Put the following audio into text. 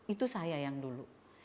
itu saya yang dulu